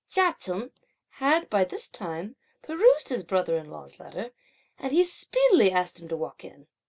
Chia Cheng had, by this time, perused his brother in law's letter, and he speedily asked him to walk in.